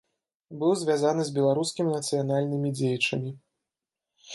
Быў звязаны з беларускімі нацыянальнымі дзеячамі.